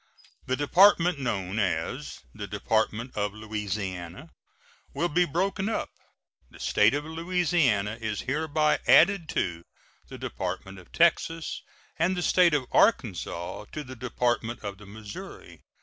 The department known as the Department of Louisiana will be broken up; the State of Louisiana is hereby added to the Department of Texas, and the State of Arkansas to the Department of the Missouri.